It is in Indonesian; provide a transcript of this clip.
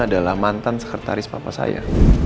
adalah mantan sekretaris papa saya